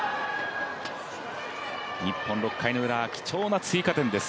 日本６回のウラ、貴重な追加点です。